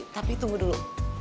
tapi tunggu dulu